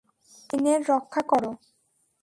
ডেইনের রক্ষা করো!